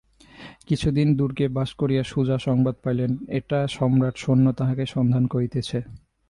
কিছুদিন দুর্গে বাস করিয়া সুজা সংবাদ পাইলেন এখনো সম্রাট-সৈন্য তাঁহাকে সন্ধান করিতেছে।